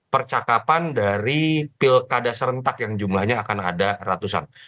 percakapan dari pilkada serentak yang jumlahnya akan ada ratusan